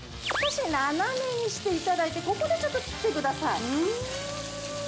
少し斜めにしていただいて、ここでちょっと取ってください。